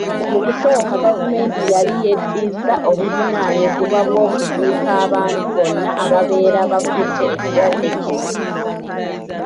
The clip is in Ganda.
Mu kusooka gavumenti yali yeddizza obuvunaanyizibwa bw'okuziika abantu bonna ababeera bafudde ekirwadde kino.